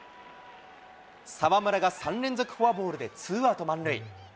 澤村が３連続フォアボールで、ツーアウト満塁。